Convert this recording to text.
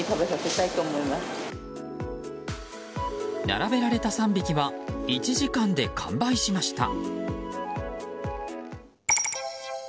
並べられた３匹は１時間で完売しました。